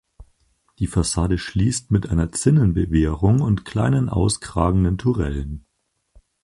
Die Fassade schließt mit einer Zinnenbewehrung und kleinen auskragenden Tourellen.